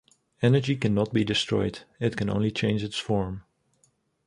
Energy cannot be destroyed; it can only change its form.